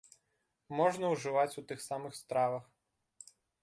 Можна ўжываць у тых самых стравах.